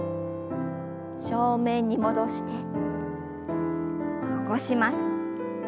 正面に戻して起こします。